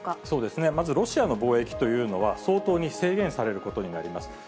そうですね、まずロシアの貿易というのは、相当に制限されることになります。